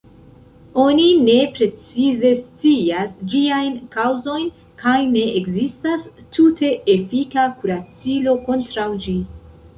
Oni ne precize scias ĝiajn kaŭzojn, kaj ne ekzistas tute efika kuracilo kontraŭ ĝi.